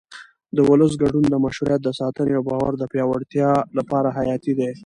د ولس ګډون د مشروعیت د ساتنې او باور د پیاوړتیا لپاره حیاتي دی